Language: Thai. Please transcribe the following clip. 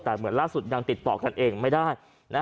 แต่เหมือนล่าสุดยังติดต่อกันเองไม่ได้